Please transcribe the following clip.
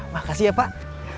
makasih ya pak